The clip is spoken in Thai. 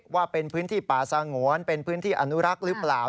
ว่าเป็นพื้นที่ป่าสงวนเป็นพื้นที่อนุรักษ์หรือเปล่า